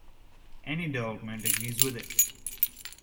Any development agrees with it.